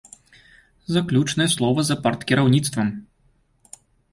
Заключнае слова за парткіраўніцтвам.